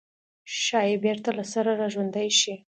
ښايي بېرته له سره راژوندي شي.